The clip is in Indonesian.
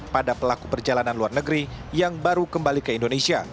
pada pelaku perjalanan luar negeri yang baru kembali ke indonesia